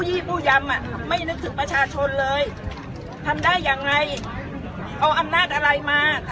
พี่ผู้ยำอ่ะไม่นึกถึงประชาชนเลยทำได้ยังไงเอาอำนาจอะไรมา